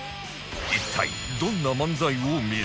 一体どんな漫才を見せるのか？